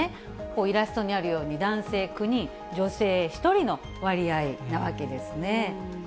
イラストにあるように、男性９人、女性１人の割合なわけですね。